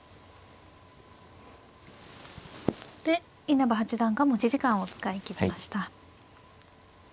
稲葉八段が持ち時間を使い切りました。